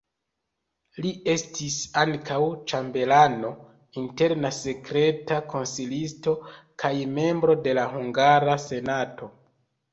Li estis ankaŭ ĉambelano, interna sekreta konsilisto kaj membro de la hungara senato.